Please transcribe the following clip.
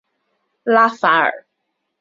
拉法尔。